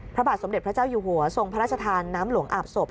พระบาทสมเด็จพระเจ้าอยู่หัวทรงพระราชทานน้ำหลวงอาบศพ